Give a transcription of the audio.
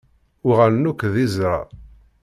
Uɣalen akk d iẓra.